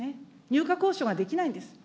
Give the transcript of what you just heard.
乳価交渉ができないんです。